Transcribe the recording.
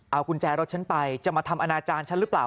เอากุญแจรถฉันไปจะมาทำอนาจารย์ฉันหรือเปล่า